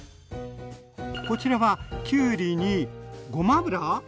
こちらはきゅうりにごま油？